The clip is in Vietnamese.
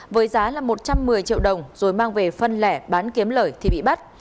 với giá một trăm một mươi triệu đồng rồi mang về phân lẻ bán kiếm lợi thì bị bắt